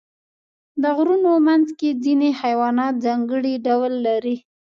د غرونو منځ کې ځینې حیوانات ځانګړي ډول لري.